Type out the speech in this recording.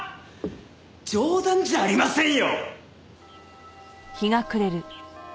冗談じゃありませんよ！